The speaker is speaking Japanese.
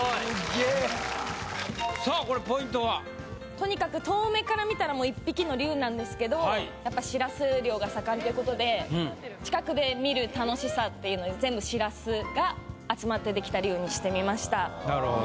とにかく遠目から見たら一匹の漁なんですけど、しらす漁が盛んということで、近くで見る楽しさということで全部、しらすが集まったできた龍にしてみました。